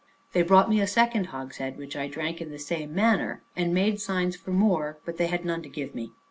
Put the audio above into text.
They brought me a second hogshead, which I drank in the same manner, and made signs for more; but they had none to give me.